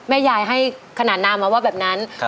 แม่ยายให้ขนาดนามมาว่าแบบนั้น